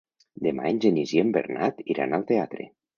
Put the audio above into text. Demà en Genís i en Bernat iran al teatre.